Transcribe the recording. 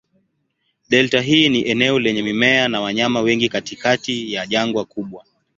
Delta hii ni eneo lenye mimea na wanyama wengi katikati ya jangwa kubwa.